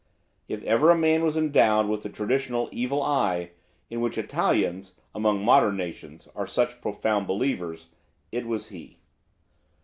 If ever man was endowed with the traditional evil eye, in which Italians, among modern nations, are such profound believers, it was he.